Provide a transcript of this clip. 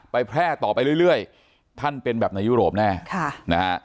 แพร่ต่อไปเรื่อยท่านเป็นแบบในยุโรปแน่ค่ะนะฮะ